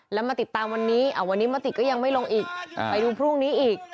แล้วมาติดตามวันนี้วันนี้มติก็ยังไม่ลงอีกไปดูพรุ่งนี้อีก